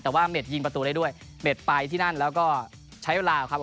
แต่ว่าเด็ดยิงประตูได้ด้วยเม็ดไปที่นั่นแล้วก็ใช้เวลาครับ